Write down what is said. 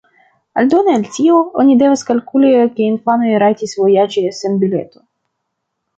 Aldone al tio, oni devas kalkuli ke infanoj rajtis vojaĝi sen bileto.